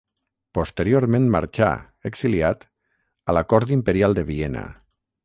Posteriorment marxà, exiliat, a la cort imperial de Viena.